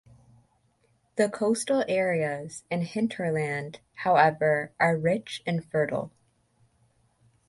The coastal areas and hinterland, however, are rich and fertile.